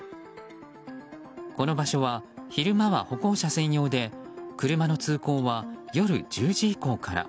この場所は昼間は歩行者専用で車の通行は夜１０時以降から。